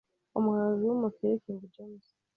Umuhanzi w’umukire King James